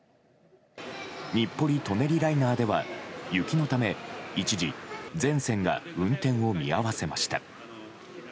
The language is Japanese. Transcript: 日暮里・舎人ライナーでは雪のため一時全線が運転を見合わせました。